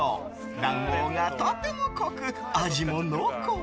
卵黄がとても濃く味も濃厚。